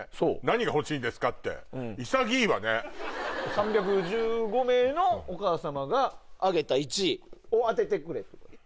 ３１５名のお母さまが挙げた１位を当ててくれ。